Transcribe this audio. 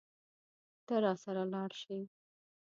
ته راسره لاړ شې.